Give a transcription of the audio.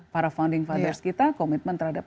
para founding fathers kita komitmen terhadap